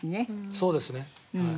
そうですねはい。